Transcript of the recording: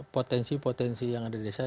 potensi potensi yang ada di desa